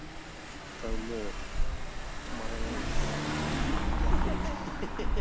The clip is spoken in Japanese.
ただもう止まらないです逆に。